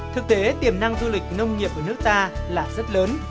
thực tế tiềm năng du lịch nông nghiệp của nước ta là rất lớn